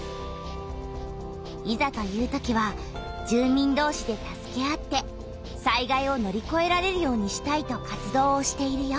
いざというときは住民どうしで助け合って災害を乗りこえられるようにしたいと活動をしているよ。